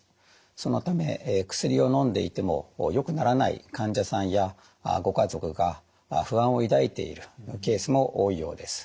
そのため薬をのんでいてもよくならない患者さんやご家族が不安を抱いているケースも多いようです。